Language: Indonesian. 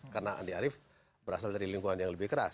karena andi arief berasal dari lingkungan yang lebih keras